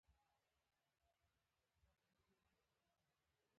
په هېواد کې فقر زیات شوی دی!